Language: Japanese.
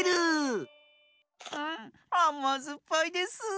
あまずっぱいです。